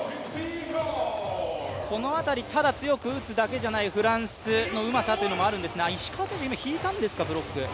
この辺り、ただ強く打つだけじゃないフランスのうまさというのもあるんですが石川選手、今、引いたんですかブロック。